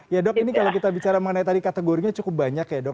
ya dok ini kalau kita bicara mengenai tadi kategorinya cukup banyak ya dok